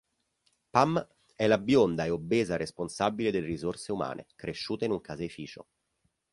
Pam è la bionda e obesa responsabile delle risorse umane, cresciuta in un caseificio.